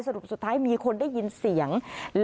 สรุปสุดท้ายมีคนได้ยินเสียง